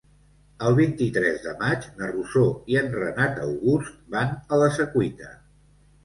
El vint-i-tres de maig na Rosó i en Renat August van a la Secuita.